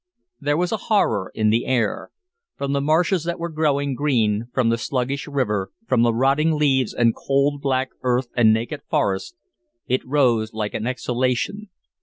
There was a horror in the air. From the marshes that were growing green, from the sluggish river, from the rotting leaves and cold black earth and naked forest, it rose like an exhalation.